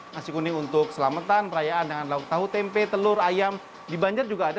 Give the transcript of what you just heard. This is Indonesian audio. nasi kuning untuk selamatan perayaan dengan lauk tahu tempe telur ayam di banjar juga ada